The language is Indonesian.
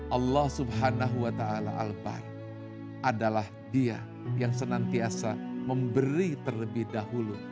allah subhanahu wa ta'ala al bahr adalah dia yang senantiasa memberi terlebih dahulu